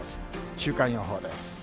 週間予報です。